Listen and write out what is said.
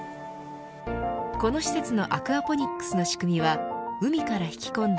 この施設のアクアポニックスの仕組みは海から引き込んだ